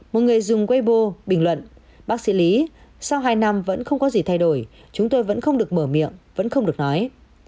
một người dùng way bô bình luận bác sĩ lý sau hai năm vẫn không có gì thay đổi chúng tôi vẫn không được mở miệng vẫn không được nói